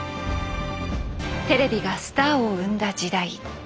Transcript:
テレビがスターを生んだ時代。